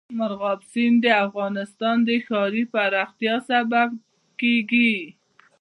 مورغاب سیند د افغانستان د ښاري پراختیا سبب کېږي.